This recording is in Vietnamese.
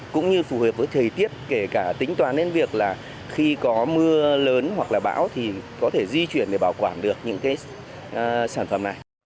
cũng như phù hợp với thời tiết kể cả tính toán đến việc là khi có mưa lớn hoặc là bão thì có thể di chuyển để bảo quản được những cái sản phẩm này